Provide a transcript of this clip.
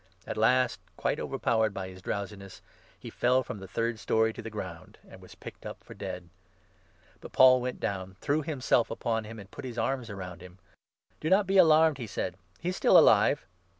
At last, quite overpowered by his drowsiness, he fell from the third storey to the ground, and was picked up for dead. But Paul went down, threw himself upon him, and 10 put his arms round him. " Do not be alarmed," he said, " he is still alive."